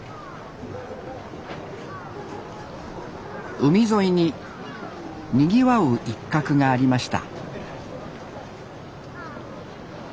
海沿いににぎわう一角がありました